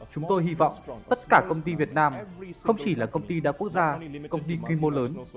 chúng tôi hy vọng tất cả công ty việt nam không chỉ là công ty đa quốc gia công ty quy mô lớn